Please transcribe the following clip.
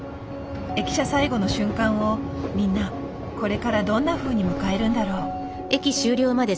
駅舎最後の瞬間をみんなこれからどんなふうに迎えるんだろう。